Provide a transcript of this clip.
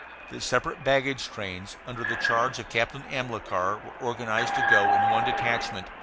The separate baggage trains, under the charge of Captain Amilcar, were organized to go in one detachment.